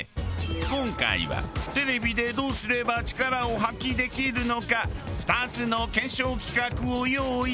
今回はテレビでどうすれば力を発揮できるのか２つの検証企画を用意。